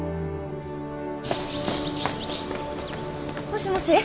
もしもし？